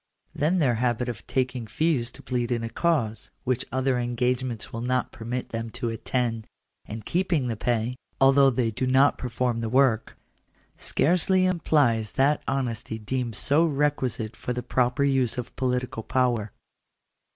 Then their habit of taking fees to plead in a cause, which other engagements will not permit them to attend, and keeping the pay, although they do not perform the work, scarcely implies that honesty deemed so requisite for the proper use of political power.